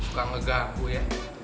suka ngeganggu ya